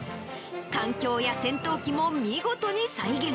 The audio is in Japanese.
艦橋や戦闘機も見事に再現。